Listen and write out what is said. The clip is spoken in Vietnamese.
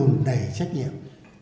không đùn đẩy trách nhiệm